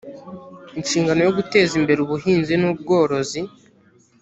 inshingano yo guteza imbere ubuhinzi n ubworozi